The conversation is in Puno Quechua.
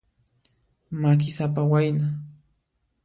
Makisapa wayna.